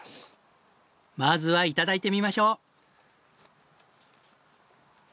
まずは頂いてみましょう！